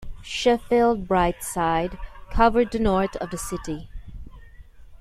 Sheffield Brightside covered the north of the city.